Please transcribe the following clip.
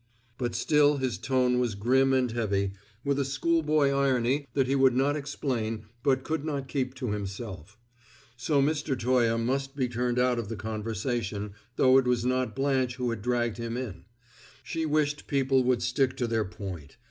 But still his tone was grim and heavy, with a schoolboy irony that he would not explain but could not keep to himself. So Mr. Toye must be turned out of the conversation, though it was not Blanche who had dragged him in. She wished people would stick to their point.